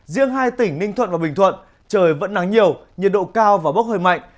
riêng hai tỉnh ninh thuận và bình thuận trời vẫn nắng nhiều nhiệt độ cao và bốc hơi mạnh